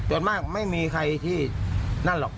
ส่วนมากไม่มีใครที่นั่นหรอก